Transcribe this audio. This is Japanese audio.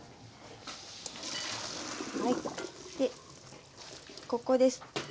でここです。